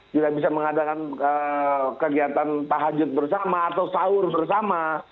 tidak bisa mengadakan kegiatan tahajud bersama atau sahur bersama